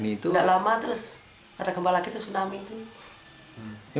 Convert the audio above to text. nggak lama terus ada gempa lagi tsunami